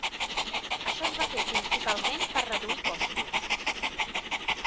Això es va fer principalment per reduir costos.